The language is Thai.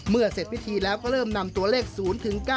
เสร็จพิธีแล้วก็เริ่มนำตัวเลข๐๙